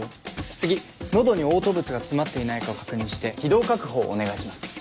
次喉に嘔吐物が詰まっていないかを確認して気道確保をお願いします。